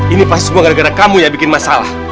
ini pasti semua gara gara kamu yang bikin masalah